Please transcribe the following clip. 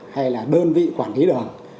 hay là đơn vị quản lý đường